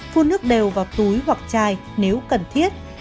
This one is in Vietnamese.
phun nước đều vào túi hoặc chai nếu cần thiết